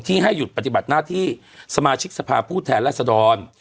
ให้หยุดปฏิบัติหน้าที่สมาชิกสภาพผู้แทนรัศดร